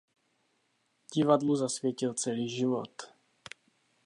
Divadlu zasvětil celý život.